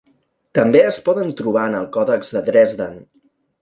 També es poden trobar en el còdex de Dresden.